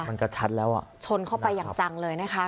มันก็ชัดแล้วอ่ะชนเข้าไปอย่างจังเลยนะคะ